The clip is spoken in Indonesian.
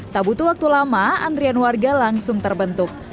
tak butuh waktu lama antrian warga langsung terbentuk